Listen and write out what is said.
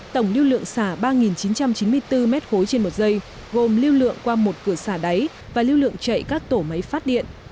tổng lưu lượng xả ba chín trăm chín mươi bốn m ba trên một giây gồm lưu lượng qua một cửa xả đáy và lưu lượng chạy các tổ máy phát điện